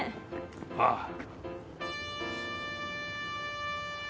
ああ。